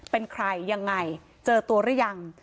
เป็นใครยังไงเจอตัวหรือยัง